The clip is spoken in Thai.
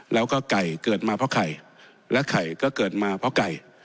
แล้วก็ไก่เกิดมาเพราะไข่และไข่ก็เกิดมาเพราะไก่